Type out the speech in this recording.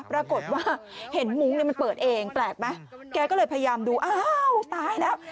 ปรากฏว่าเห็นมุ้งเนี่ยมันเปิดเองแปลกไหมแกก็เลยพยายามดูอ้าวตายแล้ว